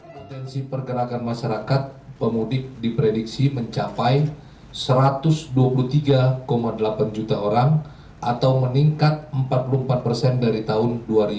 potensi pergerakan masyarakat pemudik diprediksi mencapai satu ratus dua puluh tiga delapan juta orang atau meningkat empat puluh empat persen dari tahun dua ribu dua puluh